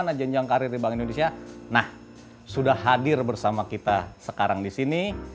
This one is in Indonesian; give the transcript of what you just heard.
nah sudah hadir bersama kita sekarang di sini